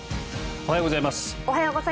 おはようございます。